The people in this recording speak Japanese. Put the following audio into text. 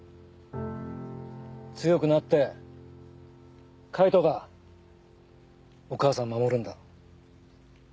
強くなって海人がお母さん守るんだ。